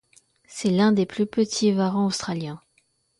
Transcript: C'est l'un des plus petits varans australiens.